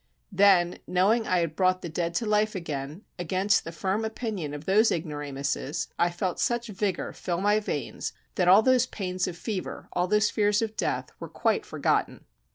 Then, knowing I had brought the dead to life again, against the firm opinion of those ignoramuses, I felt such vigor fill my veins that all those pains of fever, all those fears of death, were quite forgotten.